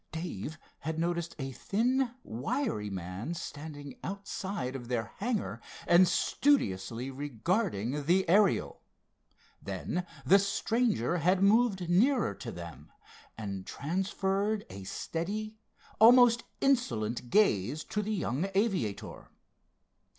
Dave had noticed a thin wiry man standing outside of their hangar and studiously regarding the Ariel. Then the stranger had moved nearer to them, and transferred a steady, almost insolent gaze to the young aviator.